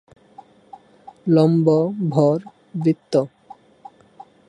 লম্ব-ভর বৃত্ত